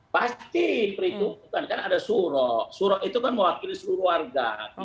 pasti diperhitungkan kan ada surok surok itu kan mewakili seluruh warga